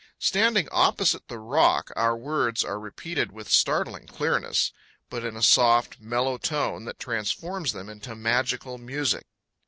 Standing opposite the rock, our words are repeated with startling clearness, but in a soft, mellow tone, that transforms them into magical music.